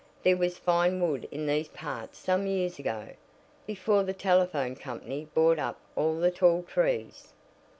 "There was fine wood in these parts some years ago, before the telephone company bought up all the tall trees.